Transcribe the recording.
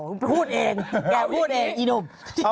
พูดเองแกพูดเองอีหนุ่ม